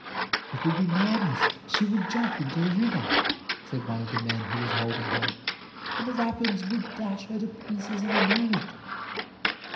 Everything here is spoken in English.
"It would be madness; she will jump into the river," said one of the men who was holding her; "and the rapids would dash her to pieces in a moment!"